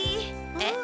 えっ？